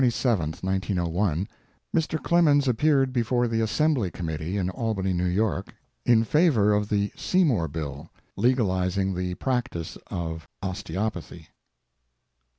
OSTEOPATHY On February 27, 1901, Mr. Clemens appeared before the Assembly Committee in Albany, New York, in favor of the Seymour bill legalizing the practice of osteopathy.